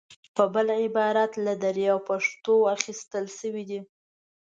په بل عبارت له دري او پښتو اخیستل شوې دي.